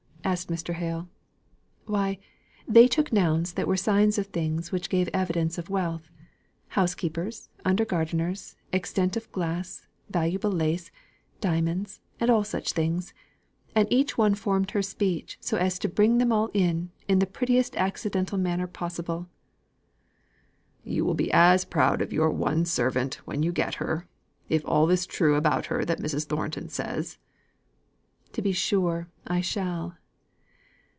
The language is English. asked Mr. Hale. "Why, they took nouns that were signs of things which gave evidence of wealth, housekeepers, under gardeners, extent of glass, valuable lace, diamonds, and all such things; and each one formed her speech so as to bring them all in, in the prettiest accidental manner possible." "You will be as proud of your one servant when you get her, if all is true about her that Mrs. Thornton says." "To be sure, I shall.